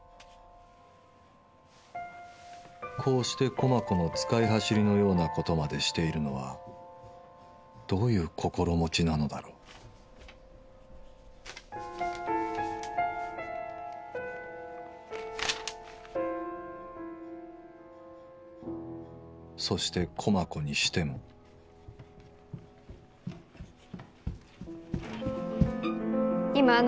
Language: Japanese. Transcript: こうして駒子の使い走りのようなことまでしているのはどういう心持ちなのだろうそして駒子にしても今あの子が何か持ってきた？